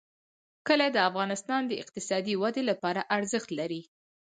کلي د افغانستان د اقتصادي ودې لپاره ارزښت لري.